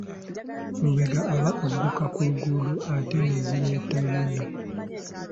Lubega aba agguka ku luguudo ate ne zireeta Yona.